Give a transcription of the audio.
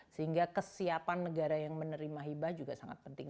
sehingga kesiapan negara yang menerima hibah juga sangat penting